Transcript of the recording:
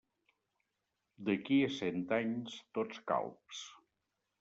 D'aquí a cent anys tots calbs.